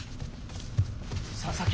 佐々木